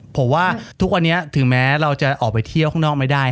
ผมว่าทุกวันนี้ถึงแม้เราจะออกไปเที่ยวข้างนอกไม่ได้